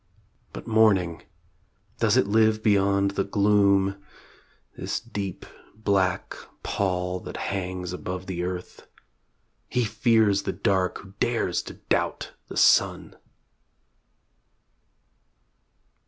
. But Morning ... does it live beyond the gloom This deep black pall that hangs above the earth He fears the dark who dares to doubt the sun!